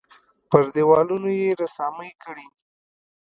پر دېوالونو یې رسامۍ کړي.